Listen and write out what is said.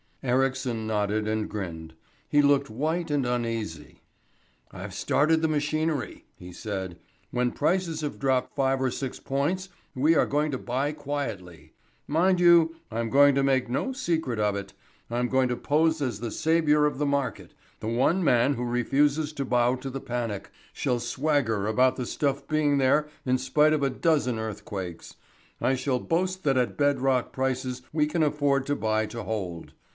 Ericsson nodded and grinned. He looked white and uneasy. "I've started the machinery," he said. "When prices have dropped five or six points we are going to buy quietly. Mind you, I'm going to make no secret of it. I'm going to pose as the saviour of the market, the one man who refuses to bow to the panic shall swagger about the stuff being there in spite of a dozen earthquakes. I shall boast that at bed rock prices we can afford to buy to hold.